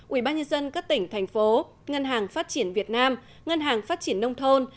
ubnd các tỉnh thành phố ngân hàng phát triển việt nam ngân hàng phát triển nông thôn